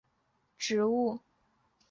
柴达木猪毛菜是苋科猪毛菜属的植物。